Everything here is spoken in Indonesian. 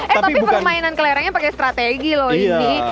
eh tapi permainan kelerengnya pakai strategi loh ini